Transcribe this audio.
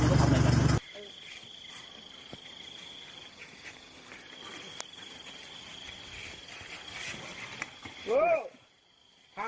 ส่วนใหญ่มากแล้วนะครับส่วนหันผ่าน